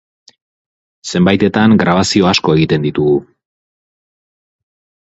Zenbaitetan grabazio asko egiten ditugu.